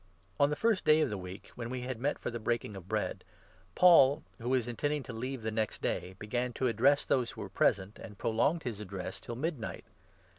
On the first day of the week, when we had met for the 7 Breaking of Bread, Paul, who was intending to leave the next day, began to address those who were present, and prolonged his address till midnight.